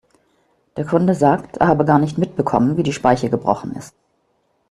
Der Kunde sagt, er habe gar nicht mitbekommen, wie die Speiche gebrochen ist.